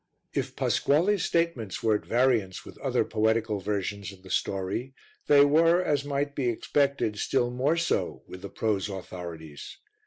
If Pasquale's statements were at variance with other poetical versions of the story, they were, as might be expected, still more so with the prose authorities.